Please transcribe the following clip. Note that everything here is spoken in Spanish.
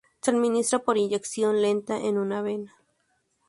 Se administra por inyección lenta en una vena.